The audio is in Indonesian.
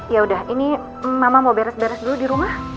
yaudah ini mama mau beres beres dulu di rumah